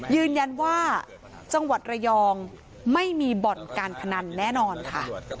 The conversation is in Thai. ยืนยันว่าจังหวัดระยองไม่มีบ่อนการพนันแน่นอนค่ะ